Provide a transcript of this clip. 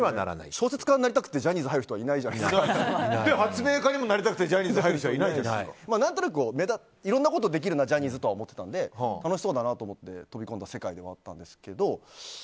小説家になりたくてジャニーズ入る人は発明家にもなりたくて何となくいろんなことできるなジャニーズとは思っていたので楽しそうだと思って飛び込んだ世界ではあったんですけど。